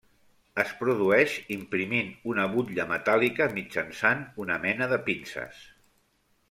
Es produeix imprimint una butlla metàl·lica mitjançant una mena de pinces.